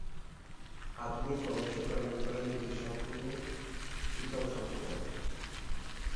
আধুনিক গবেষকরা মনে করেন, দুটি সম্পূর্ণ পৃথক সম্প্রদায়।